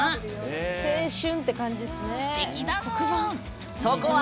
青春って感じですね。